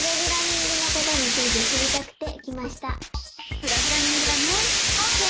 プログラミングだねオーケー！